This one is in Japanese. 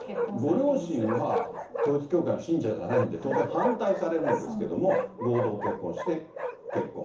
ご両親は統一教会の信者じゃないんで、当然、反対されるんですけれども、合同結婚式で結婚。